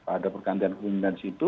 ada pergantian kemimpinan di situ